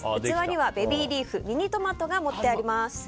器にはベビーリーフミニトマトが盛ってあります。